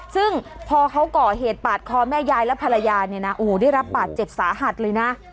ซึ่งพอเขาก่อเหตุปาดคอแม่ยายและภรรยาเนี่ยนะโอ้โหได้รับบาดเจ็บสาหัสเลยนะ